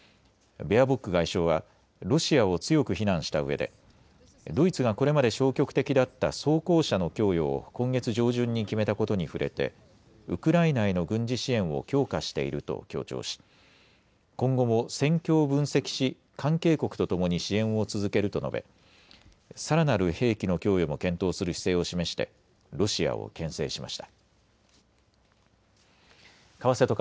ベアボック外相はロシアを強く非難したうえでドイツがこれまで消極的だった装甲車の供与を今月上旬に決めたことに触れてウクライナへの軍事支援を強化していると強調し今後も戦況を分析し関係国とともに支援を続けると述べさらなる兵器の供与も検討する姿勢を示してロシアをけん制しました。